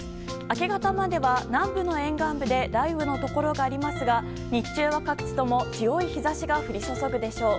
明け方までは、南部の沿岸部で雷雨のところがありますが日中は各地とも強い日差しが降り注ぐでしょう。